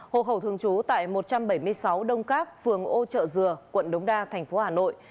hộ khẩu thường trú tại một trăm bảy mươi sáu đông các phường ô trợ dừa quận đống đa thành phố hà nội